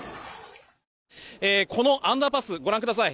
このアンダーパスご覧ください。